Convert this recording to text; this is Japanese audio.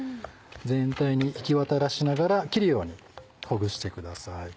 全体に行き渡らしながら切るようにほぐしてください。